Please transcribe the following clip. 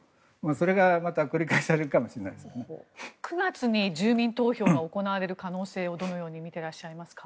それが、また９月に住民投票が行われる可能性をどのように見ていらっしゃいますか。